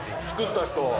作った人。